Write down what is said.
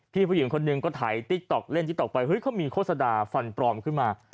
ผู้หญิงคนหนึ่งก็ถ่ายติ๊กต๊อกเล่นติ๊กต๊อกไปเฮ้ยเขามีโฆษณาฟันปลอมขึ้นมา